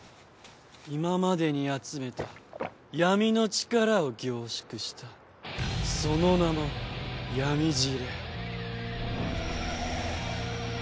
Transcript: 今までに集めた闇の力を凝縮したその名もヤミ汁。